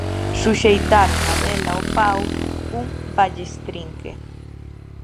Suxeitaron a vela ao pau cun ballestrinque.